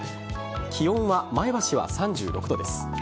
気温は前橋は３６度です。